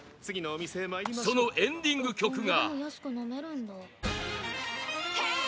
そのエンディング曲が